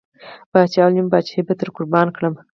پاچا وويل: نيمه پاچاهي به ترې قربان کړم.